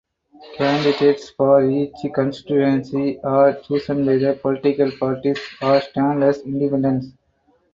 Candidates for each constituency are chosen by the political parties or stand as independents.